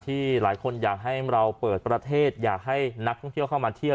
ที่หลายคนอยากให้เราเปิดประเทศอยากให้นักท่องเที่ยวเข้ามาเที่ยว